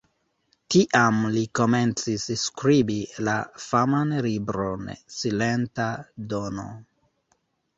Tiam li komencis skribi la faman libron "Silenta Dono".